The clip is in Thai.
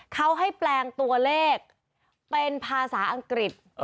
เขาให้แปลงตัวเลขเป็นภาษาอังกฤษ